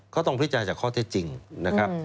ต้องพิจารณจากข้อเท็จจริงนะครับ